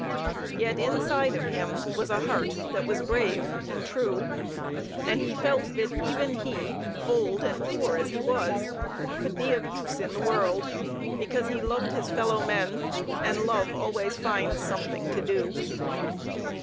Yet inside of him was a heart that was brave and true, and he felt that even he, old and poor as he was, could be of use in the world, because he loved his fellow men, and love always finds something to do.